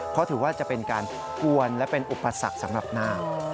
เพราะถือว่าจะเป็นการกวนและเป็นอุปสรรคสำหรับนาค